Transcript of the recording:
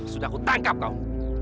sudah aku tangkap kau